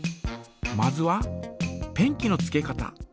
まずはペンキのつけ方。